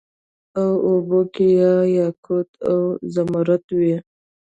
او اوبو کي به یاقوت او زمرود وي